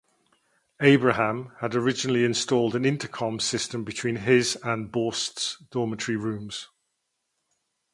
Abraham had originally installed an intercom system between his and Borst's dormitory rooms.